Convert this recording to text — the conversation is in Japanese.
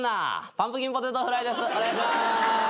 パンプキンポテトフライですお願いします。